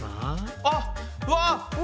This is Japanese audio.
あっうわ！